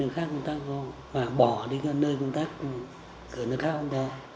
các công tác còn bỏ đi nơi công tác của người khác không thể